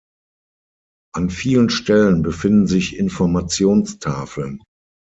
An vielen Stellen befinden sich Informationstafeln.